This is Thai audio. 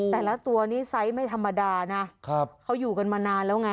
แต่ละตัวนี้ไซส์ไม่ธรรมดานะเขาอยู่กันมานานแล้วไง